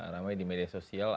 ramai di media sosial